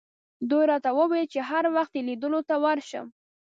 دوی راته وویل چې هر وخت یې لیدلو ته ورشم.